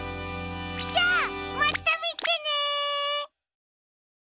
じゃあまたみてね！